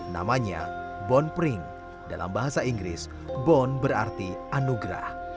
namanya bon pring dalam bahasa inggris bon berarti anugerah